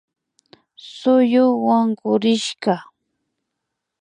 Suyuk wankurishka